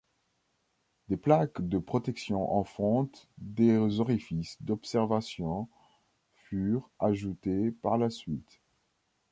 Des plaques de protection en fonte des orifices d’observation furent ajoutées par la suite.